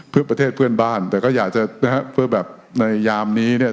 เพื่อประเทศเพื่อนบ้านแต่ก็อยากจะนะฮะเพื่อแบบในยามนี้เนี่ย